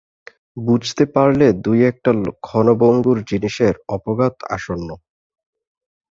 বুঝতে পারলে দুই-একটা ক্ষণভঙ্গুর জিনিসের অপঘাত আসন্ন।